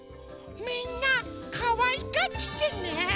みんなかわいがってね！